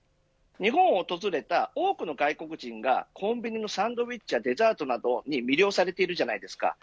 日本を訪れた多くの外国人がコンビニのサンドイッチやデザートなどに魅了されているじゃないですか。